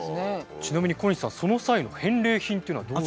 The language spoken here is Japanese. ちなみに小西さんその際の返礼品っていうのはどういう？